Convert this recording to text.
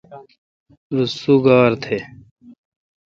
رس سوگار تھ۔